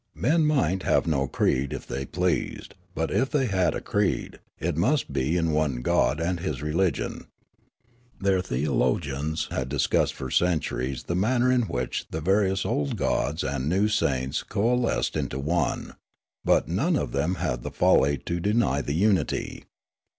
Men might have no creed if they pleased ; but if they had a creed, it must be in one god and his religion. Their theologians had discussed for centuries the man ner in which the various old gods and new saints coal esced into one; but none of them had the folly to deny Aleofanian Devotion to Truth 51 the unity.